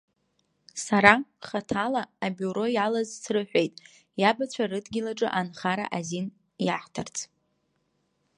Сара, хаҭала, абиуро иалаз срыҳәеит, иабацәа рыдгьыл аҿы анхара азин иаҳҭарц.